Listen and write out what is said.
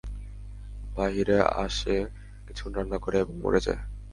বাহিরে আসে, কিছুক্ষণ কান্না করে এবং মরে যায়।